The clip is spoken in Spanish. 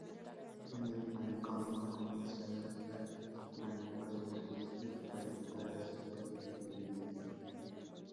En el manicomio conocerá a extraños personajes y experimentará sorprendentes vivencias.